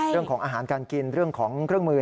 เรื่องของอาหารการกินเรื่องของเครื่องมือ